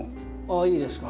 ああいいですか？